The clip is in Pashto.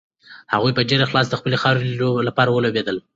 هغوی په ډېر اخلاص د خپلې خاورې لپاره ولوبېدل.